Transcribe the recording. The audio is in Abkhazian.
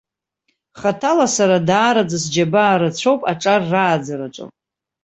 Хаҭала сара даараӡа сџьабаа рацәоуп аҿар рааӡараҿы.